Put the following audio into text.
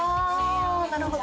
なるほど。